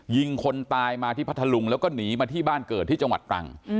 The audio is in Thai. ยิงคนตายมาที่พัทธลุงแล้วก็หนีมาที่บ้านเกิดที่จังหวัดตรัง